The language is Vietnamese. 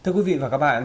thưa quý vị và các bạn